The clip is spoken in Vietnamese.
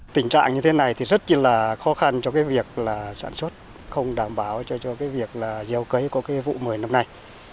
tình trạng như thế này rất là khó khăn cho việc sản xuất không đảm bảo cho việc gieo cấy của vụ một mươi năm nay